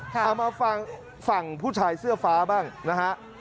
เอามาฟังฝั่งผู้ชายเสื้อฟ้าบ้างนะฮะ